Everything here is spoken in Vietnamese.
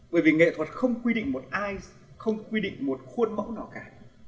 bởi vì nghệ thuật không quy định một ai không quy định một khuôn mẫu nào cả